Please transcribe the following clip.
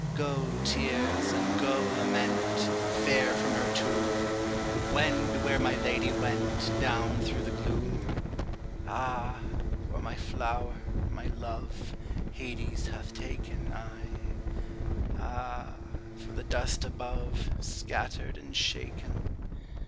Go, tears, and go, lament, Fare from her tomb, Wend where my lady went Down through the gloom! Ah, for my flower, my love, Hades hath taken I Ah, for the dust above Scattered and shaken!